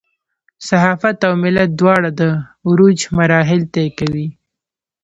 صحافت او ملت دواړه د عروج مراحل طی کوي.